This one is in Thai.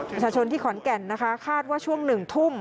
ประชาชนที่ขอนแก่นคาดว่าช่วง๑ทุ่ม